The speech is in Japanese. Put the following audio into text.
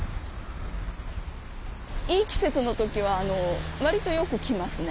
いい季節の時は割とよく来ますね。